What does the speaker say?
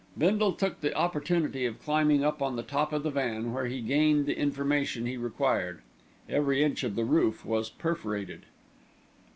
Bindle took the opportunity of climbing up on the top of the van, where he gained the information he required. Every inch of the roof was perforated!